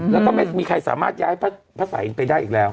แล้วก็ไม่มีใครสามารถย้ายพระศัยไปได้อีกแล้ว